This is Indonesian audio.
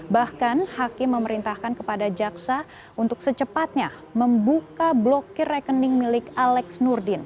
bahkan hakim memerintahkan kepada jaksa untuk secepatnya membuka blokir rekening milik alex nurdin